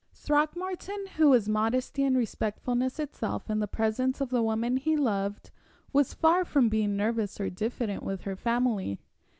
Throckmorton, who was modesty and respectfulness itself in the presence of the woman he loved, was far from being nervous or diffident with her family.